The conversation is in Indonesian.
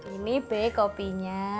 ini be kopinya